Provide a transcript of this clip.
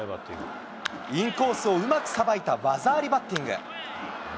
インコースをうまくさばいた技ありバッティング。